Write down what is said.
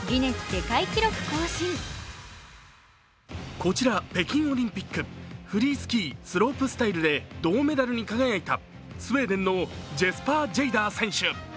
こちら、北京オリンピックフリースキー・スロープスタイルで銅メダルに輝いたスウェーデンのジェスパー・ジェイダー選手。